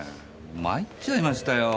まいっちゃいましたよ。